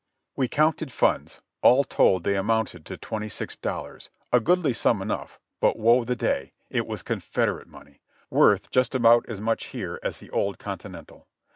We counted funds ; all told they amounted to twenty six dollars, a goodly sum enough, but woe the day — it was Confederate money, worth just about as much here as the old Continental.